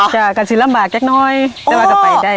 จากการศิลป์ลำบากแค่น้อยแต่ว่าก็ไปได้